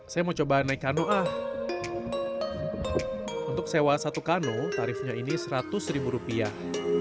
saya mau coba naik kano ah untuk sewa satu kano tarifnya ini seratus ribu rupiah